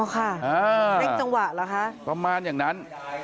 เร่งจังหวะเหรอคะประมาณอย่างนั้น